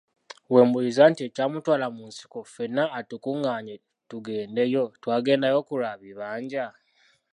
We mbuuliza nti ekyamutwala mu nsiko, ffenna atukungaanye tugendeyo twagendayo ku lwa bibanja?